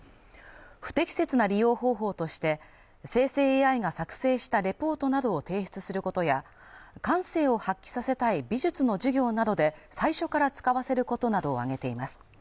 不適切な利用方法として、生成ＡＩが作成したレポートなどを提出することや感性を発揮させたい美術の授業などで最初から使わせることなどを挙げています。